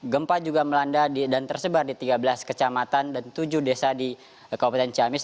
gempa juga melanda dan tersebar di tiga belas kecamatan dan tujuh desa di kabupaten ciamis